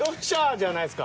じゃないですか